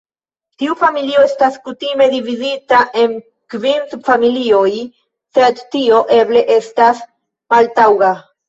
Tiu familio estas kutime dividita en kvin subfamilioj, sed tio eble estas maltaŭga.